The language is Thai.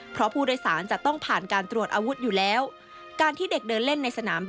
เพราะเหตุผลว่าประเทศเขามีความไม่สงบ